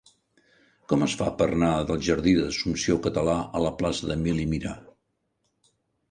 Com es fa per anar del jardí d'Assumpció Català a la plaça d'Emili Mira?